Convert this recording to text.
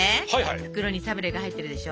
袋にサブレが入ってるでしょ。